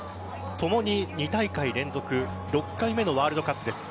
ともに２大会連続６回目のワールドカップです。